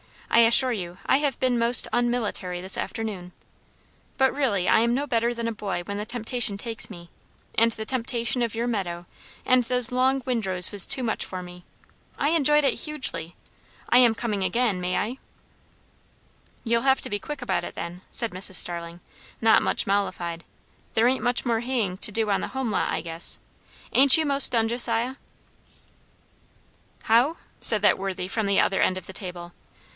I assure you, I have been most unmilitary this afternoon; but really I am no better than a boy when the temptation takes me; and the temptation of your meadow and those long windrows was too much for me. I enjoyed it hugely. I am coming again, may I?" "You'll have to be quick about it, then," said Mrs Starling, not much mollified; "there ain't much more haying to do on the home lot, I guess. Ain't you 'most done, Josiah?" "How?" said that worthy from the other end of the table.